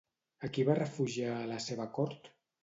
A qui va refugiar a la seva cort?